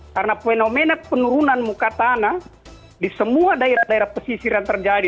karena fenomena penurunan muka tanah di semua daerah daerah pesisir yang terjadi